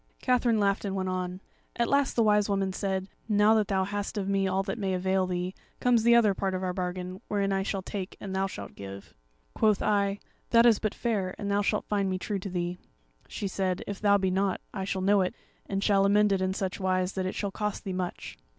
Katherine laughed and went on: "At last the Wise Woman said, 'Now that thou hast of me all that may avail thee, comes the other part of our bargain, wherein I shall take and thou shalt give.' "Quoth I, 'That is but fair, and thou shalt find me true to thee.' She said, 'If thou be not, I shall know it, and shall amend it in such wise that it shall cost thee much.'